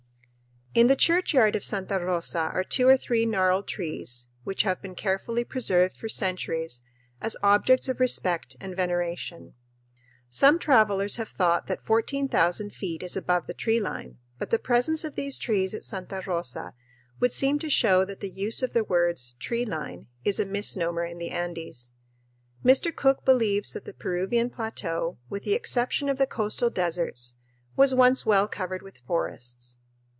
In the churchyard of Santa Rosa are two or three gnarled trees which have been carefully preserved for centuries as objects of respect and veneration. Some travelers have thought that 14,000 feet is above the tree line, but the presence of these trees at Santa Rosa would seem to show that the use of the words "tree line" is a misnomer in the Andes. Mr. Cook believes that the Peruvian plateau, with the exception of the coastal deserts, was once well covered with forests.